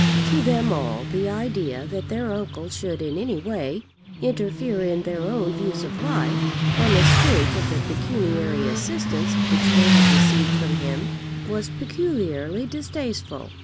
To them all, the idea that their uncle should in any way interfere in their own views of life, on the strength of the pecuniary assistance which they had received from him, was peculiarly distasteful.